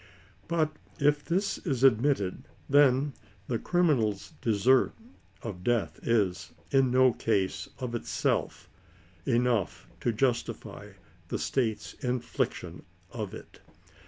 But if this is admit ted, then the criminal's desert of death is, in no case, of itself enough to justify the State's infliction of it.